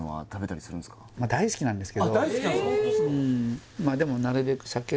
あっ大好きなんですか！？